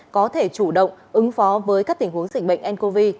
có thể chủ động ứng phó với các tình huống dịch bệnh ncov